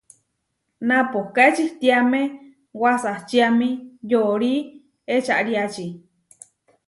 Napohká ečitiáme wasačiami yóri ečariáči.